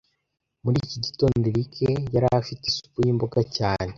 Muri iki gitondo Eric yari afite isupu yimboga cyane